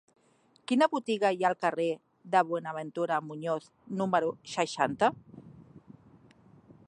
Quina botiga hi ha al carrer de Buenaventura Muñoz número seixanta?